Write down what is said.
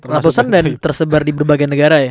ratusan dan tersebar di berbagai negara ya